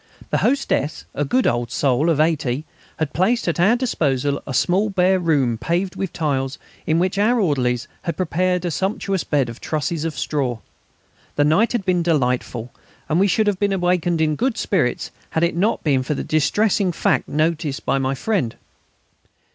The hostess, a good old soul of eighty, had placed at our disposal a small bare room paved with tiles, in which our orderlies had prepared a sumptuous bed of trusses of straw. The night had been delightful, and we should have awaked in good spirits had it not been for the distressing fact noticed by my friend.